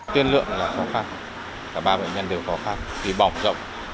tiên lượng là khó khăn cả ba bệnh nhân đều khó khăn vì bỏng rộng